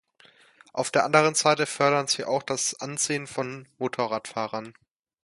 Auf der anderen Seite fördern sie auch das Ansehen von Motorradfahrern.